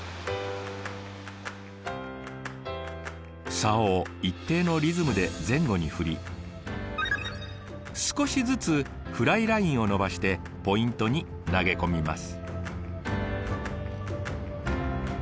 サオを一定のリズムで前後に振り少しずつフライラインを伸ばしてポイントに投げ込みます。